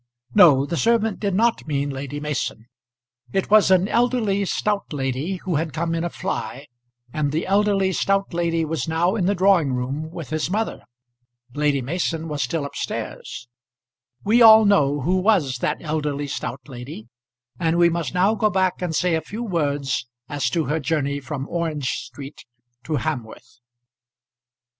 No. The servant did not mean Lady Mason. It was an elderly stout lady who had come in a fly, and the elderly stout lady was now in the drawing room with his mother. Lady Mason was still up stairs. We all know who was that elderly stout lady, and we must now go back and say a few words as to her journey from Orange Street to Hamworth.